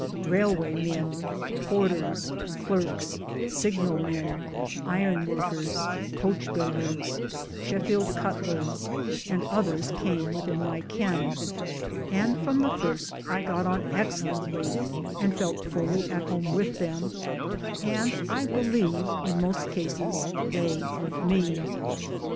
Railway men, porters, clerks, signalmen, ironworkers, coach builders, Sheffield cutlers, and others came within my ken, and from the first I got on excellently and felt fully at home with them and I believe, in most cases, they with me.